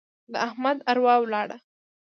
د احمد اروا ولاړه.